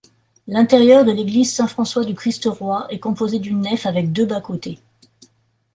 L'intérieur de l'église Saint-François du Christ-Roi est composée d'une nef avec deux bas-côtés.